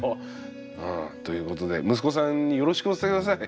ということで息子さんによろしくお伝え下さい。